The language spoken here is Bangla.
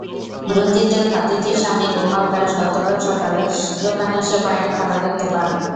রঞ্জিতের ভাতিজির স্বামী গোপাল দাস গতকাল সকালে দোকানে এসে বাইরে তালা দেখতে পান।